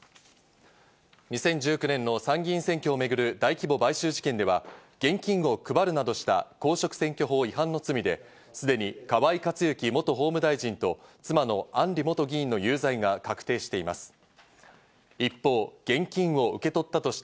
２０１９年の参議院選挙をめぐる大規模買収事件では現金を配るなどした公職選挙法違反の罪で既に河井克行元法務大臣と妻の案里元議員の有罪が確定しています。